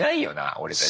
俺たち。